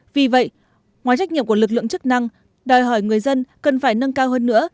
vì vậy ngoài trách nhiệm của lực lượng chức năng đòi hỏi người dân cần phải nâng cao hơn nữa